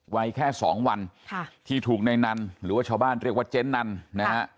วัยแค่สองวันค่ะที่ถูกในนั้นหรือว่าชาวบ้านเรียกว่าเจ๊นันนะฮะ